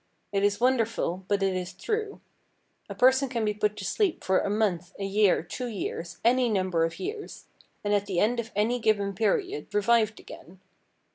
It is wonderful, but it is true. A person can be put to sleep for a month, a year, two years, any number of years, and at the end of any given period revived again.